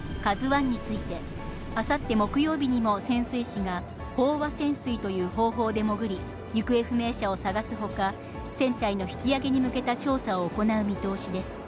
ＫＡＺＵＩについて、あさって木曜日にも潜水士が飽和潜水という方法で潜り、行方不明者を捜すほか、船体の引き揚げに向けた調査を行う見通しです。